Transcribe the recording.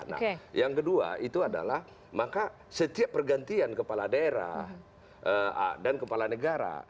nah yang kedua itu adalah maka setiap pergantian kepala daerah dan kepala negara